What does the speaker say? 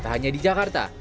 tak hanya di jakarta